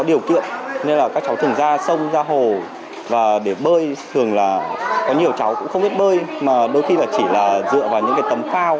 nhiều cháu cũng không biết bơi mà đôi khi là chỉ là dựa vào những cái tấm phao